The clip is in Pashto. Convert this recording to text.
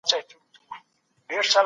په ګرځېدو کې د تېلو لګښت نه لیدل کېږي.